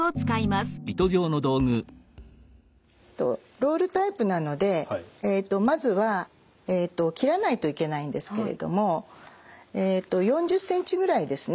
ロールタイプなのでまずは切らないといけないんですけれども４０ｃｍぐらいですね。